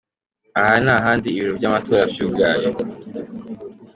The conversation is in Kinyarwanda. Aha ni ahandi ibiro vy'amatora vyugaye:.